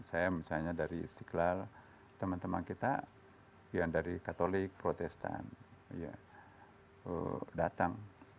saya misalnya dari istiqlal teman teman kita yang dari katolik protestan datang